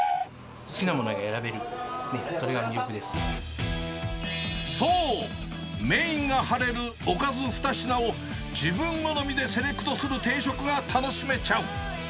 好きなものを選べる、それがそう、メインが張れるおかず２品を、自分好みでセレクトする定食が楽しめちゃう。